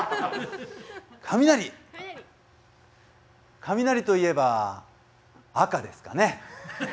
雷といえば赤ですかね？